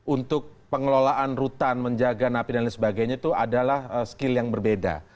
untuk pengelolaan rutan menjaga napi dan lain sebagainya itu adalah skill yang berbeda